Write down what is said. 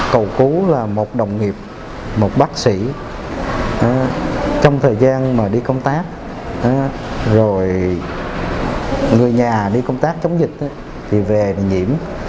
cầu cứu là một đồng nghiệp một bác sĩ trong thời gian mà đi công tác rồi người nhà đi công tác chống dịch thì về nhiễm